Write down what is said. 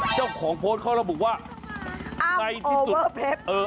เจ้าของโพสต์เขาแล้วบอกว่าในที่สุดอ้ำโอเวอร์เพชร